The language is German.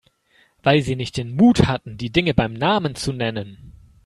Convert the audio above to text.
Weil Sie nicht den Mut hatten, die Dinge beim Namen zu nennen.